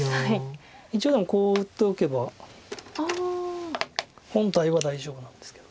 一応でもこう打っておけば本体は大丈夫なんですけど。